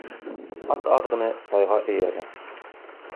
Ат аҙғыны тайға эйәрә